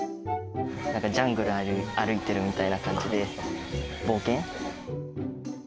ジャングル歩いているみたいな感じで冒険？